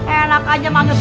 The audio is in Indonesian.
enak aja banget